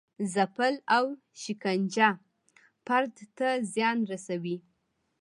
ځپل او شکنجه فرد ته زیان رسوي.